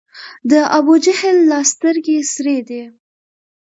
د ابوجهل لا سترګي سرې دي